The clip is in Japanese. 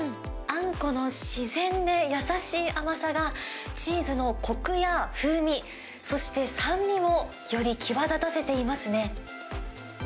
あんこの自然で優しい甘さがチーズのこくや風味、そして酸味をより際立たせていますね。